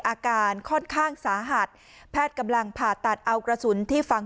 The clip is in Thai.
อาการค่อนข้างสาหัสแพทย์กำลังผ่าตัดเอากระสุนที่ฝั่ง